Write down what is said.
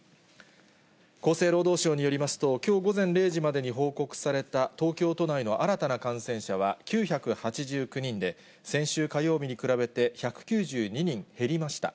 厚生労働省によりますと、きょう午前０時までに報告された東京都内の新たな感染者は９８９人で、先週火曜日に比べて１９２人減りました。